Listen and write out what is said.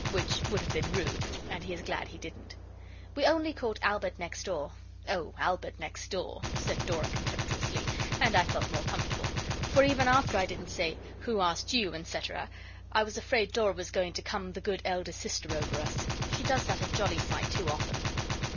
which would have been rude, and he is glad he didn't. 'We only caught Albert next door.' 'Oh, Albert next door!' said Dora contemptuously, and I felt more comfortable; for even after I didn't say, 'Who asked you, and cetera,' I was afraid Dora was going to come the good elder sister over us. She does that a jolly sight too often.